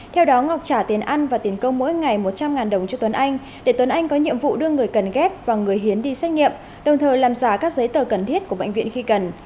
theo đó ngọc trả tiền ăn và tiền công mỗi ngày một trăm linh đồng cho tuấn anh để tuấn anh có nhiệm vụ đưa người cần ghép và người hiến đi xét nghiệm đồng thời làm giả các giấy tờ cần thiết của bệnh viện khi cần